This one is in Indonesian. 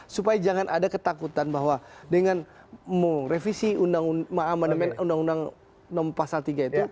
supaya jangan ada ketakutan bahwa dengan revisi undang undang pasal tiga itu